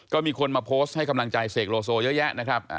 ก็มีคนมาโพสต์ให้กำลังใจเสกโลโซเยอะแยะนะครับ